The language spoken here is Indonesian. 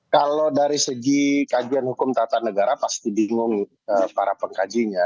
kalau dari segi kajian hukum tata negara pasti bingung para pengkajinya